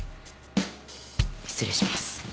失礼します。